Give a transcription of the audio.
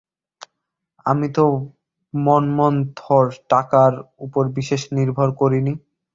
আমি তো মন্মথর টাকার উপর বিশেষ নির্ভর করি নি।